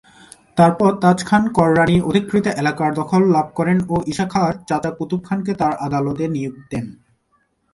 তারপর তাজ খান কররানী অধিকৃত এলাকার দখল লাভ করেন ও ঈসা খাঁর চাচা কুতুব খানকে তার আদালতে নিয়োগ দেন।